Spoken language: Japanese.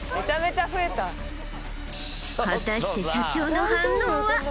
果たして社長の反応は？